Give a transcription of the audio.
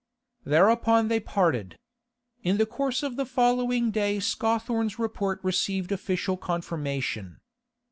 Thereupon they parted. In the course of the following day Scawthorne's report received official confirmation.